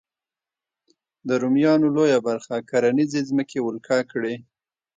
د رومیانو لویه برخه کرنیزې ځمکې ولکه کړې.